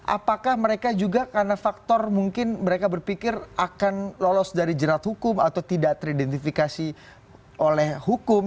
apakah mereka juga karena faktor mungkin mereka berpikir akan lolos dari jerat hukum atau tidak teridentifikasi oleh hukum